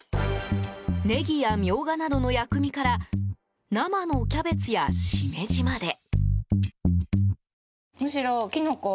ネギやミョウガなどの薬味から生のキャベツやシメジまで。